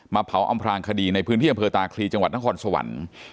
เผาอำพลางคดีในพื้นที่อำเภอตาคลีจังหวัดนครสวรรค์